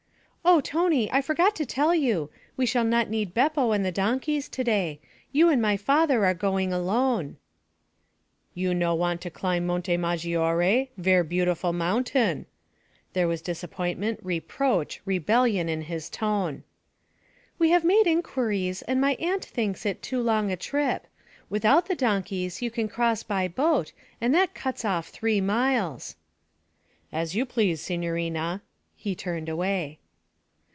'Oh, Tony, I forgot to tell you; we shall not need Beppo and the donkeys to day. You and my father are going alone.' 'You no want to climb Monte Maggiore ver' beautiful mountain.' There was disappointment, reproach, rebellion in his tone. 'We have made inquiries and my aunt thinks it too long a trip. Without the donkeys you can cross by boat, and that cuts off three miles.' 'As you please, signorina.' He turned away.